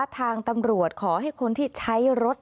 ทางตำรวจขอให้คนที่ใช้รถ